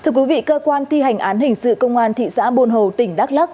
cơ quan thi hành án hình sự công an thị xã bồn hồ tỉnh đắk lắc